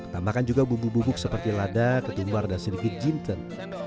tambahkan juga bumbu bubuk seperti lada ketumbar dan sedikit jinten